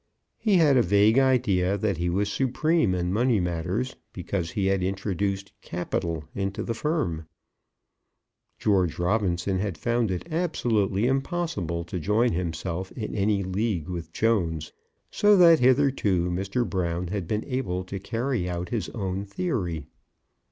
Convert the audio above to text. He had a vague idea that he was supreme in money matters, because he had introduced "capital" into the firm. George Robinson had found it absolutely impossible to join himself in any league with Jones, so that hitherto Mr. Brown had been able to carry out his own theory.